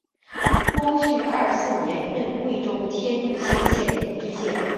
光绪二十四年任贵州天柱县知县。